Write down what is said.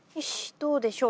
どうでしょう？